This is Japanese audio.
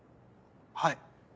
はい。